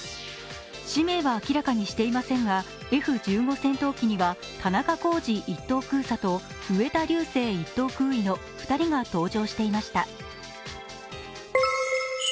氏名は明らかにしていませんが、Ｆ１５戦闘機には田中公司１等空佐と植田竜生１等空尉の２人が搭乗していました。